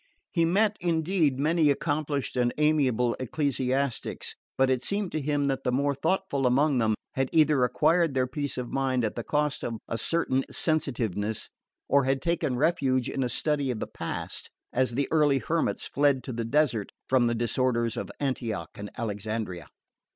He met indeed many accomplished and amiable ecclesiastics, but it seemed to him that the more thoughtful among them had either acquired their peace of mind at the cost of a certain sensitiveness, or had taken refuge in a study of the past, as the early hermits fled to the desert from the disorders of Antioch and Alexandria.